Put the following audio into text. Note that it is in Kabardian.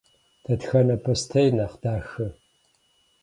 Дэтхэнэ бостейр нэхъ дахэ?